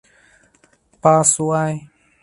巴苏埃。